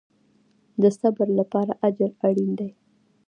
د صبر لپاره اجر اړین دی